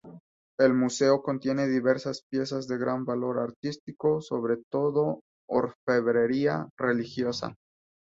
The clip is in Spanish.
El Museo contiene diversas piezas de gran valor artístico, sobre todo orfebrería religiosa.